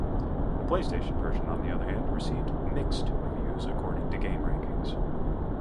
The PlayStation version, on the other hand, received "mixed" reviews according to GameRankings.